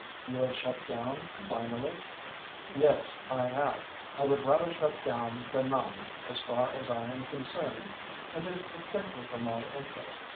"You have shut down finally?" "Yes, I have. I would rather shut down than not, as far as I am concerned. It is distinctly for my interest.